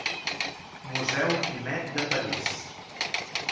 Museu Guimet de París.